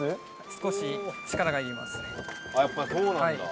少し力がいります。